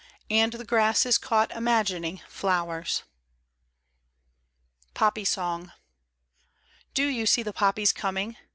And the grass is caught imagining Flowers. POPPY SONG. Do you see the poppies coming